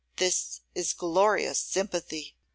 This is glorious sympathy.